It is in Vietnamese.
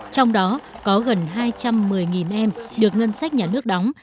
trong đó có gần hai trăm một mươi em được ngân sách nhà nước đóng